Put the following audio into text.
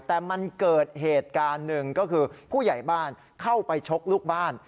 แต่มันเกิดเหตุการณ์หนึ่งก็คือผู้ใหญ่บ้านเข้าไปชกลูกบ้าน